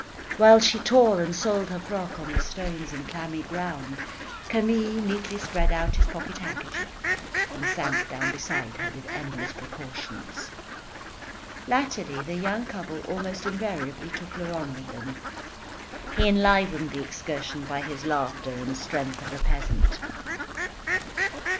While she tore and soiled her frock on the stones and clammy ground, Camille neatly spread out his pocket handkerchief and sank down beside her with endless precautions. Latterly the young couple almost invariably took Laurent with them. He enlivened the excursion by his laughter and strength of a peasant.